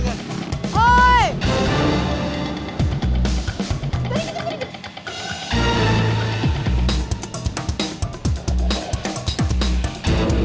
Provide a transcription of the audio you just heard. nyalain kita aku tuh